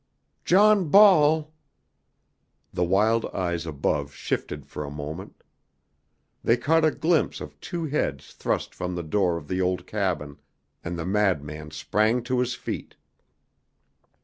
"John Ball " The wild eyes above shifted for a moment. They caught a glimpse of two heads thrust from the door of the old cabin, and the madman sprang to his feet.